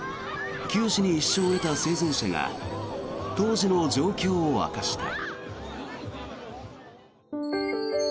九死に一生を得た生存者が当時の状況を明かした。